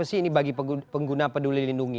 apa sih ini bagi pengguna peduli lindungi